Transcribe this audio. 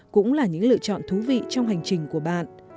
cũng là những lựa chọn thú vị trong hành trình của bạn